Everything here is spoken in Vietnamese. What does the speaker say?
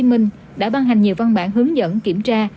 công an tp hcm đã ban hành nhiều văn bản hướng dẫn kiểm tra